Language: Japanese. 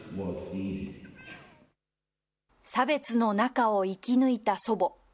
差別の中を生き抜いた祖母。